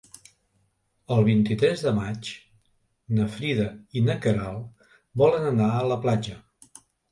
El vint-i-tres de maig na Frida i na Queralt volen anar a la platja.